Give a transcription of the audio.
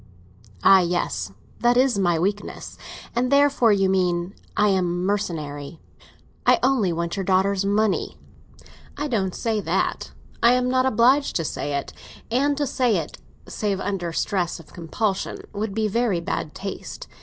"Ah, yes; that is my weakness! And therefore, you mean, I am mercenary—I only want your daughter's money." "I don't say that. I am not obliged to say it; and to say it, save under stress of compulsion, would be very bad taste.